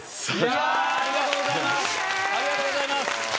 ありがとうございます。